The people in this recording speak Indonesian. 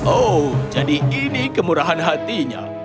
oh jadi ini kemurahan hatinya